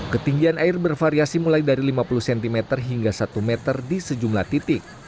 ketinggian air bervariasi mulai dari lima puluh cm hingga satu meter di sejumlah titik